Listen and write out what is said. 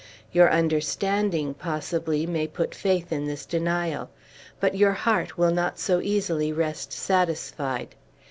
Your understanding, possibly, may put faith in this denial. But your heart will not so easily rest satisfied.